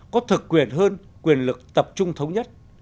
có thực quyền hơn quyền lực tập trung thống nhất